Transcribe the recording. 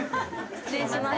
失礼します。